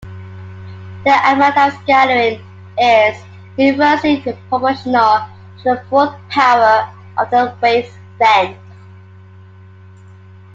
The amount of scattering is inversely proportional to the fourth power of the wavelength.